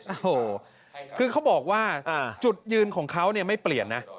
โอ้โหคือเขาบอกว่าจุดยืนของเขาเนี่ยไม่เปลี่ยนนะ